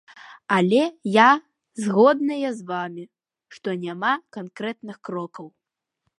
Але я згодная з вамі, што няма канкрэтных крокаў.